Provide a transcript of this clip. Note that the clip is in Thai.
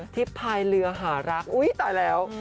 พายเรือหารักอุ๊ยตายแล้ว